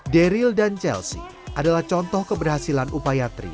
daryl dan chelsea adalah contoh keberhasilan upaya tri